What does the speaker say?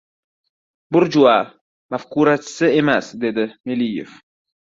— Burjua mafkurachisi emas, — dedi Meliyev.